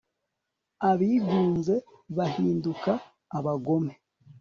abigunze bahinduka abagome